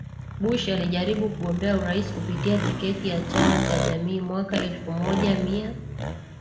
Bush alijaribu kugombea urais kupitia tiketi ya chama cha jamii mwaka elfu moja mia